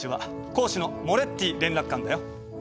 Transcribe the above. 講師のモレッティ連絡官だよ。